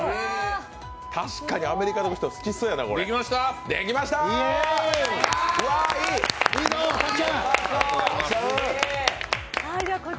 確かにアメリカの人は好きそうやな、これ。